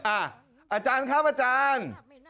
อาจารย์ครับอาจารย์